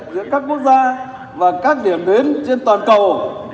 giữa các quốc gia và các điểm đến trên toàn cầu